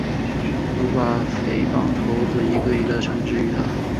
如何把匪帮头子一个个地绳之于法？